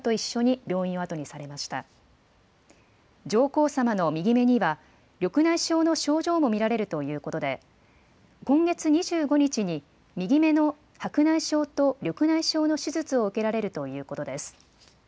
上皇さまの右目には、緑内障の症状も見られるということで、今月２５日に右目の白内障と緑内障の手術を受けられるということです。